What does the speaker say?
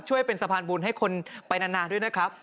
ช่วยเป็นสะพานบุญให้คนไปนานด้วยนะครับ